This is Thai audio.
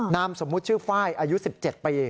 นามสมมุติชื่อไฟล์อายุ๑๗ปี